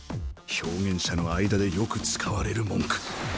表現者の間でよく使われる文句